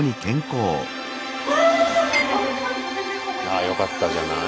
ああよかったじゃない。